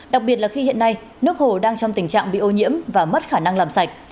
đặc biệt là khi hiện nay nước hồ đang trong tình trạng bị ô nhiễm và mất khả năng làm sạch